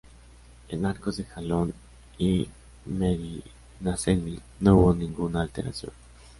En Arcos de Jalón y Medinaceli no hubo ninguna alteración.